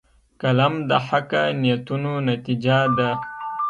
قلم د حقه نیتونو نتیجه ده